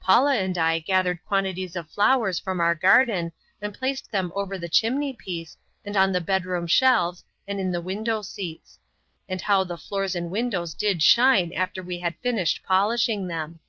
Paula and I gathered quantities of flowers from our garden and placed them over the chimney piece, and on the bedroom shelves and in the window seats and how the floors and windows did shine after we had finished polishing them!